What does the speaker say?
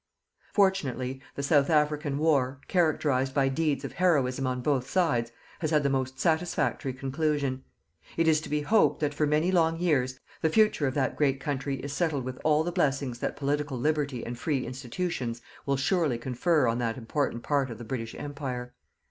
Fortunately, the South African War, characterized by deeds of heroism on both sides, has had the most satisfactory conclusion. It is to be hoped that for many long years the future of that great country is settled with all the blessings that political liberty and free institutions will surely confer on that important part of the British Empire.